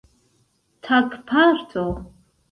tagparto